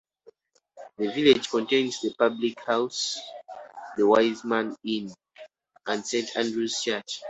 The village contains the public house 'The Wise Man Inn', and Saint Andrew's Church.